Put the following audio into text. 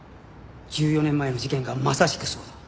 １４年前の事件がまさしくそうだ。